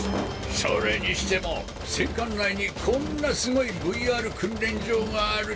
それにしても戦艦内にこんなすごいＶＲ訓練場があるとは。